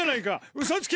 うそつき！